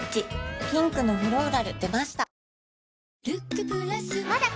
ピンクのフローラル出ました